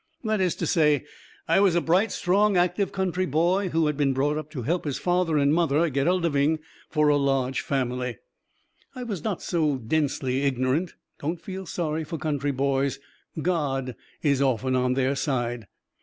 That is to say, I was a bright, strong, active country boy who had been brought up to help his father and mother get a living for a large family. I was not so densely ignorant don't feel sorry for country boys: God is often on their side.